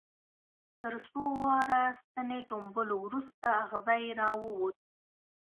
تر څو واره ستنې ټومبلو وروسته اغزی را ووت.